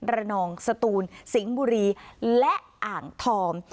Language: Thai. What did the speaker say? ระนองสตูนสิงห์บุรีและอ่างทอง